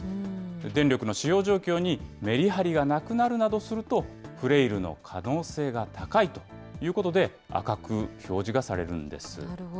電力の使用状況にメリハリがなくなるなどすると、フレイルの可能性が高いということで、なるほど。